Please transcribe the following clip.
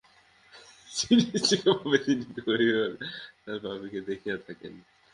যিনি নিজে পাপী, তিনি কেবল অপরকে পাপী দেখিয়া থাকেন।